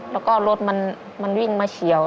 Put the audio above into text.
แล้วก็รถมันวิ่งมาเฉียว